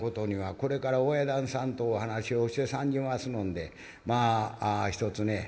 これから親旦那さんとお話をして参じますのんでまあひとつね